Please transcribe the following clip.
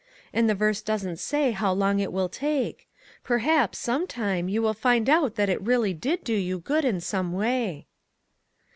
And the verse doesn't say how long it will take. Per haps some time you will find out that it really did do you good in some way."